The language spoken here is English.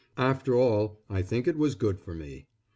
After all I think it was good for me.